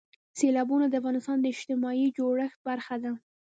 سیلابونه د افغانستان د اجتماعي جوړښت برخه ده.